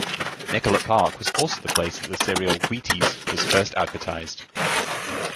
Nicollet Park was also the place that the cereal Wheaties was first advertised.